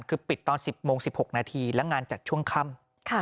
คือปิดตอน๑๐โมง๑๖นาทีและงานจัดช่วงค่ำ